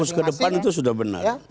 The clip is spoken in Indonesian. terus ke depan itu sudah benar